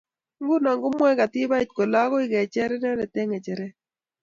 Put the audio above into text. Nguno komwoe katibait kole akoi kecher inendet eg ngecheret